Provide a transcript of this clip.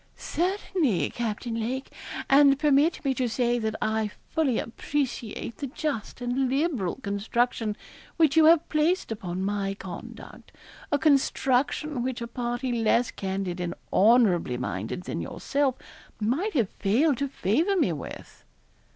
'Certainly, Captain Lake, and permit me to say that I fully appreciate the just and liberal construction which you have placed upon my conduct a construction which a party less candid and honourably minded than yourself might have failed to favour me with.'